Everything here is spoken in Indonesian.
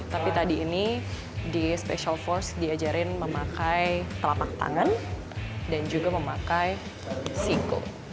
tapi tadi ini di special force diajarin memakai telapak tangan dan juga memakai singko